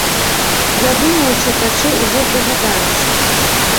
Я думаю, чытачы ўжо здагадаліся.